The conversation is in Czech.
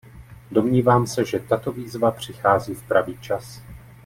Domnívám se, že tato výzva přichází v pravý čas.